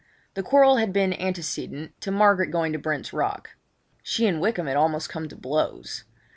The quarrel had been antecedent to Margaret going to Brent's Rock. She and Wykham had almost come to blows.